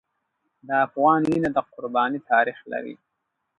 د افغان وینه د قربانۍ تاریخ لري.